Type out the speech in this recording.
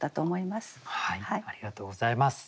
ありがとうございます。